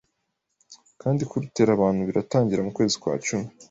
kandi kurutera abantu biratangira mu kwezi kwa cumi